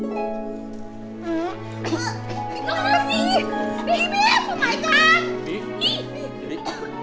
tapi aku ada kuliah bi